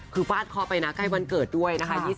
คือฟาดเคาะไปนะใกล้วันเกิดด้วยนะคะ